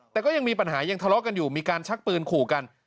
แต่ก็ยังมีปัญหายังทะเลาะกันอยู่มีการชักปืนขู่กัน